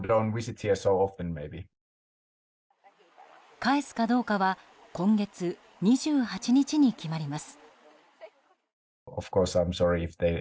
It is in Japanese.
返すかどうかは今月２８日に決まります。